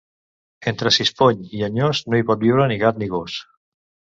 Entre Sispony i Anyós no hi pot viure ni gat ni gos.